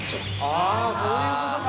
◆ああ、そういうことか。